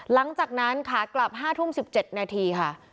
หลังจากนั้นขากลับห้าทุ่มสิบเจ็ดนาทีค่ะ